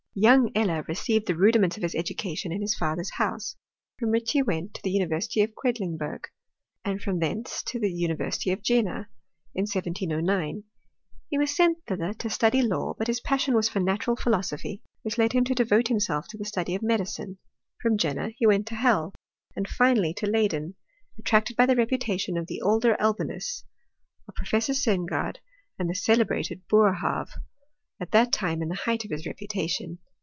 Young Eller received the rudiments of his education m his father's house, from which he went to the Uni versity of Quedlinburg ; and from thence to the University of Jena, in 1709. He was sent thitherto study law ; but his passion was for natural philosophy, which led him to devote himself to the study of medi cine. From Jena he went to Halle, and finally to Ley den, attracted by the reputation of the older Al binus, of Professor Sengerd and the celebrated Boer haave, at th^t time in the height of his reputation.